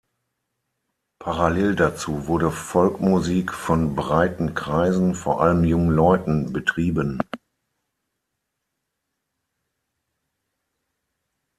Parallel dazu wurde Folkmusik von breiten Kreisen, vor allem jungen Leuten, betrieben.